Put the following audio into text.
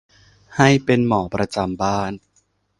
ให้เป็นหมอประจำบ้าน